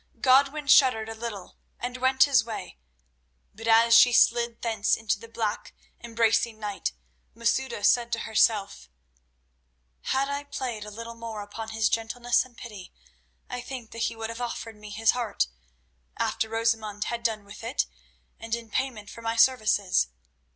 Godwin shuddered a little and went his way, but as she slid thence into the black, embracing night, Masouda said to herself: "Had I played a little more upon his gentleness and pity, I think that he would have offered me his heart—after Rosamund had done with it and in payment for my services.